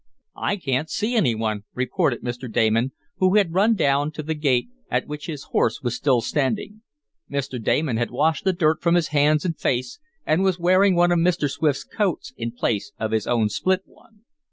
"I can't see any one," reported Mr. Damon, who had run down to the gate, at which his horse was still standing. Mr. Damon had washed the dirt from his hands and face, and was wearing one of Mr. Swift's coats in place of his own split one.